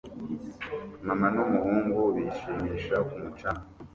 Mama n'umuhungu bishimisha ku mucanga